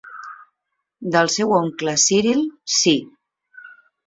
Del seu oncle Cyril, sí.